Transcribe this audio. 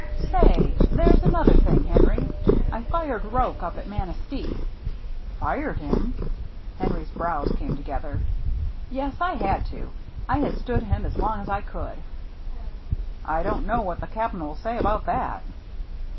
"Say — there's another thing, Henry. I fired Roche, up at Manistee." " Fired him ?" Henry's brows came to gether. " Yes, I had to. I had stood him as long as I could." " I don't know what the Cap'n will say about that."